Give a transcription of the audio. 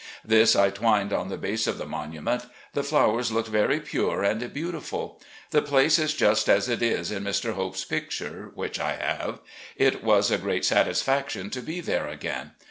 This I twined on the base of the mon\mient. The flowers looked very pure and beautiful. The place is just as it is in Mr. Hope's picture (which I have). It was a great satisfaction to be there again.